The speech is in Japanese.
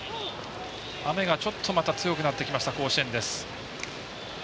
雨がちょっとまた強くなってきました甲子園です。